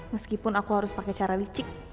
meskipun aku harus pakai cara licik